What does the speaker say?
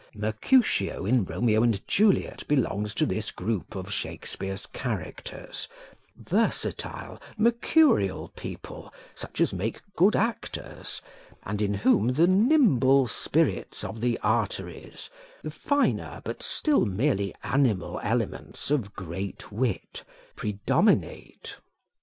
Mercutio, in Romeo and Juliet, belongs to this group of Shakespeare's characters versatile, mercurial people, such as make good actors, and in whom the nimble spirits of the arteries, the finer but still merely animal elements of great wit, predominate.